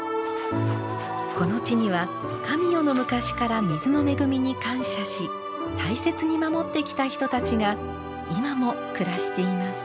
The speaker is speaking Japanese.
この地には神代の昔から水の恵みに感謝し大切に守ってきた人たちが今も暮らしています。